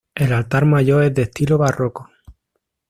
El altar mayor es de estilo barroco.